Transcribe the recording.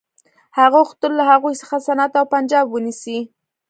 هغه غوښتل له هغوی څخه سند او پنجاب ونیسي.